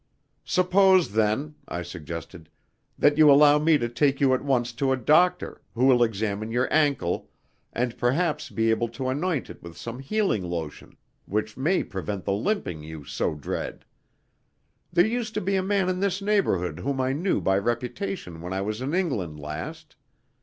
"Suppose, then," I suggested, "that you allow me to take you at once to a doctor, who will examine your ankle, and perhaps be able to anoint it with some healing lotion, which may prevent the limping you so dread. There used to be a man in this neighbourhood whom I knew by reputation when I was in England last.